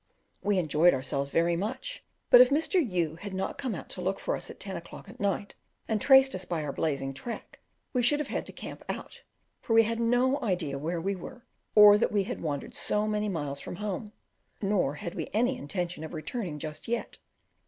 We enjoyed ourselves very much, but if Mr. U had not come out to look for us at ten o'clock at night, and traced us by our blazing track, we should have had to camp out, for we had no idea where we were, or that we had wandered so many miles from home; nor had we any intention of returning just yet.